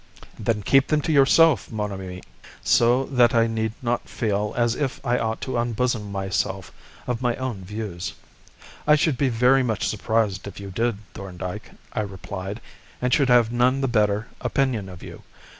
"Then keep them to yourself, mon ami, so that I need not feel as if I ought to unbosom myself of my own views." "I should be very much surprised if you did, Thorndyke," I replied, "and should have none the better opinion of you.